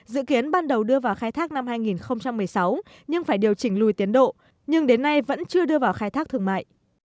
dự kiến ban đầu đưa vào khai thác năm hai nghìn một mươi sáu nhưng phải điều chỉnh lùi tiến độ nhưng đến nay vẫn chưa đưa vào khai thác thương mại